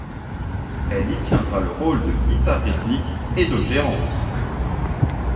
Elle y tiendra le rôle de guitare rythmique et de gérante.